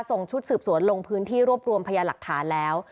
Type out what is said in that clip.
ส่งชุดสืบสวนลงพื้นที่รวบรวมพยาหลักฐานแล้ว